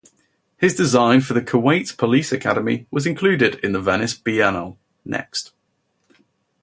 His design for the Kuwait Police Academy was included in the Venice Biennale, "Next".